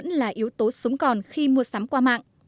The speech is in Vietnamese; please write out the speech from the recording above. nó cũng là yếu tố sống còn khi mua sắm qua mạng